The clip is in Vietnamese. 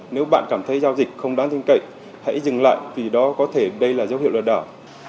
nếu bạn cảm thấy giao dịch không đáng tin cậy hãy dừng lại vì đó có thể đây là dấu hiệu lừa đảo